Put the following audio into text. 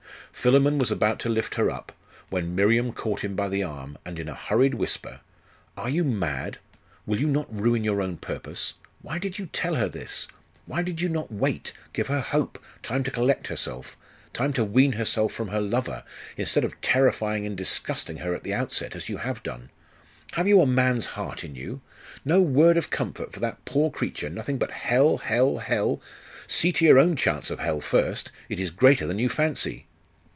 Philammon was about to lift her up, when Miriam caught him by the arm, and in a hurried whisper 'Are you mad? Will you ruin your own purpose? Why did you tell her this? Why did you not wait give her hope time to collect herself time to wean herself from her lover, instead of terrifying and disgusting her at the outset, as you have done? Have you a man's heart in you? No word of comfort for that poor creature, nothing but hell, hell, hell See to your own chance of hell first! It is greater than you fancy!